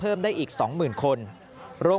เพราะว่าเราอยู่ในเครือโรงพยาบาลกรุงเทพฯนี่ก็เป็นในระดับโลก